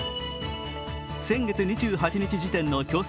先月２８日時点の協賛